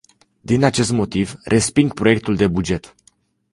Din acest motiv, resping proiectul de buget.